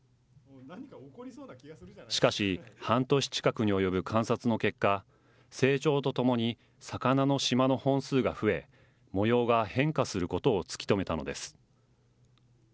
しかし、半年近くに及ぶ観察の結果、成長とともに魚のしまの本数が増え、模様が変化することを突き止めたのです。